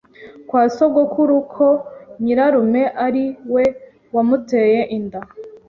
kwa sogokuru ko nyirarume ari we wamuteye inda